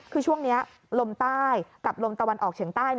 คือช่วงนี้ลมใต้กับลมตะวันออกเฉียงใต้